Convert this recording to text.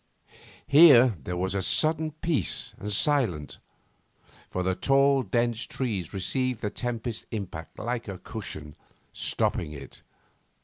Here there was sudden peace and silence, for the tall, dense trees received the tempest's impact like a cushion, stopping it.